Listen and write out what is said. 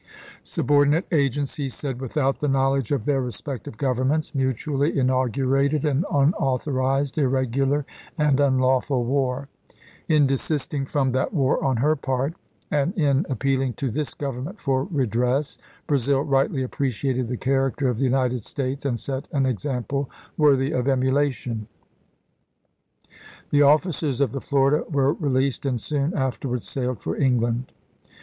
" Subordinate agents," he said, " without the knowledge of their respective Governments, mutually inaugurated an unauthor ized, irregular, and unlawful war. In desisting from that war on her part, and in appealing to this Gov ernment for redress, Brazil rightly appreciated the character of the United States and set an example worthy of emulation." THE LAST DAYS OF THE REBEL NAVY 135 The officers of the Florida were released and soon chap. vs. afterwards sailed for England.